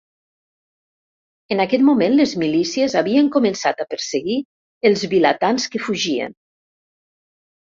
En aquest moment, les milícies havien començat a perseguir els vilatans que fugien.